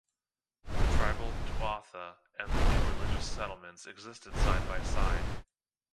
The tribal 'tuatha' and the new religious settlements existed side by side.